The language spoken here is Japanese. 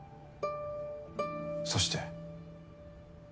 そして。